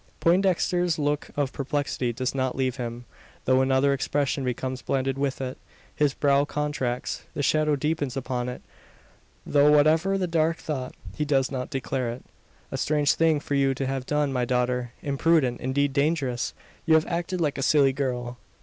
Poindexter's look of perplexity does not leave him, though another expression becomes blended with it. His brow contracts; the shadow deepens upon it; though whatever the dark thought, he does not declare it. "A strange thing for you to have done, my daughter. Imprudent indeed dangerous. You have acted like a silly girl.